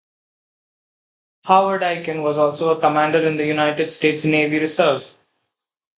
Howard Aiken was also a Commander in the United States Navy Reserve.